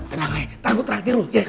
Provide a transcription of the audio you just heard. tenang eh ntar gua terakhir lo